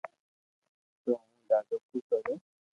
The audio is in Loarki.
تو ھون ڌادو خوݾ ھويو